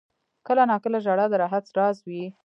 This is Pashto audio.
• کله ناکله ژړا د راحت راز وي.